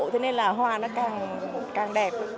thế nên là hoa nó càng đẹp